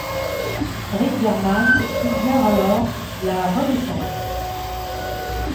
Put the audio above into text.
Rick Berman suggère alors la Renaissance.